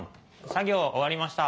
作業終わりました。